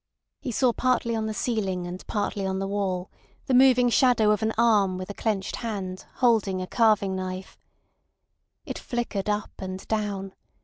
He saw partly on the ceiling and partly on the wall the moving shadow of an arm with a clenched hand holding a carving knife. It flickered up and down.